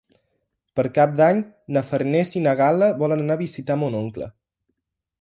Per Cap d'Any na Farners i na Gal·la volen anar a visitar mon oncle.